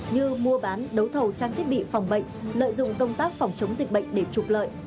như mua bán đấu thầu trang thiết bị phòng bệnh lợi dụng công tác phòng chống dịch bệnh để trục lợi